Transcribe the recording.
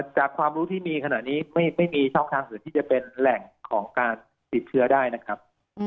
ความรู้ที่มีขณะนี้ไม่มีช่องทางอื่นที่จะเป็นแหล่งของการติดเชื้อได้นะครับ